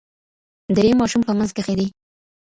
درېيم ماشوم په منځ کښي دئ.